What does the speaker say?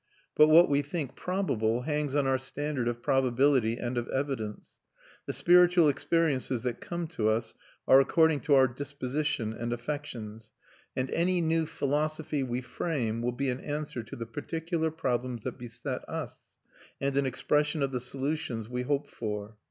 But what we think probable hangs on our standard of probability and of evidence; the spiritual experiences that come to us are according to our disposition and affections; and any new philosophy we frame will be an answer to the particular problems that beset us, and an expression of the solutions we hope for.